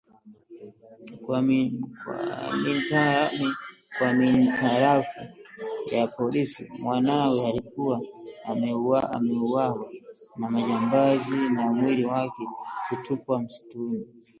Kwa mintaarafu ya polisi, mwanawe alikuwa ameuawa na majambazi na mwili wake kutupwa msituni